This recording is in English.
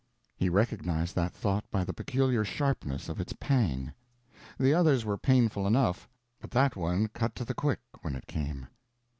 He recognized that thought by the peculiar sharpness of its pang. The others were painful enough, but that one cut to the quick when it came.